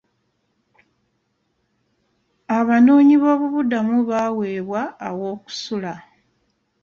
Abanoonyiboobubuddamu baaweebwa aw'okusula.